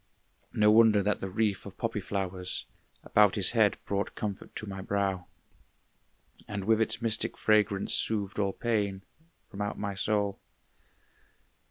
No wonder that the wreath of poppy flowers About his head brought comfort to my brow, And with its mystic fragrance soothed all pain From out my soul.